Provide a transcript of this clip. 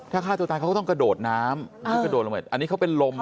ถ้าฆ่าตัวตายเค้าก็ต้องกระโดดน้ำอันนี้เค้าเป็นลม